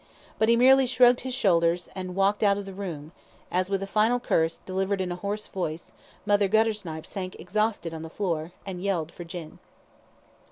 But he merely shrugged his shoulders, and walked out of the room, as with a final curse, delivered in a hoarse voice, Mother Guttersnipe sank exhausted on the floor, and yelled for gin.